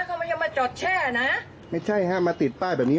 เขามายังมาจอดแช่นะไม่ใช่ฮะมาติดป้ายแบบนี้